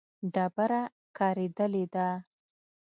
ډبره کارېدلې ده.